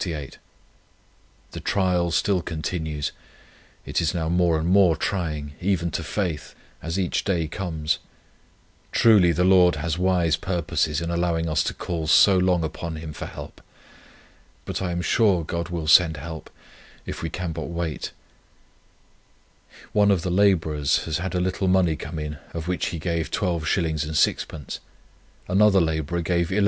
The trial still continues. It is now more and more trying, even to faith, as each day comes. Truly, the Lord has wise purposes in allowing us to call so long upon Him for help. But I am sure God will send help, if we can but wait. One of the labourers had had a little money come in of which he gave 12s. 6d.; another labourer gave 11s.